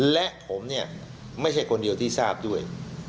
และผมเนี่ยไม่ใช่คนเดียวที่ทราบด้วย